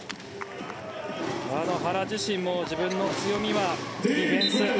原自身も自分の強みはディフェンス。